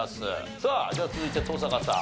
さあじゃあ続いて登坂さん。